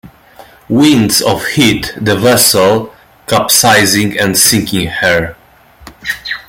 Winds of hit the vessel, capsizing and sinking her.